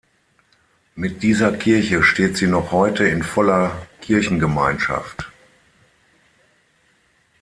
Mit dieser Kirche steht sie noch heute in voller Kirchengemeinschaft.